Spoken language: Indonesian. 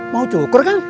mau cukur kang